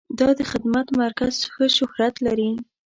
دا د خدمت مرکز ښه شهرت لري.